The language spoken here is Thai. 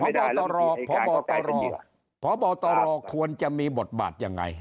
พบตรพบตรพบตรควรจะมีบทบาทยังไง